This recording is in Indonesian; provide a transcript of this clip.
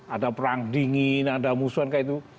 ada perang dingin ada musuhan kayak itu